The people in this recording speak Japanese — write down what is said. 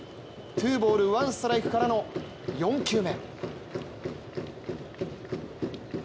ツーボールワンストライクからの４球目。